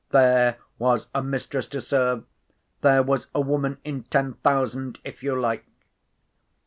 (There was a mistress to serve! There was a woman in ten thousand, if you like!)